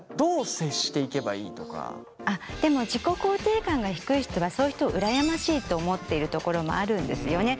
でも自己肯定感が低い人はそういう人をうらやましいと思っているところもあるんですよね。